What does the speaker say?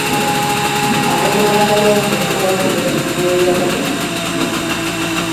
Abooluganda lw'omugenzi baavudde mu mbeera.